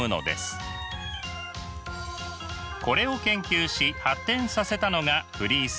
これを研究し発展させたのがフリース。